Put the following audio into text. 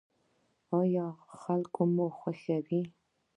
ایا خلک مو خوښیږي؟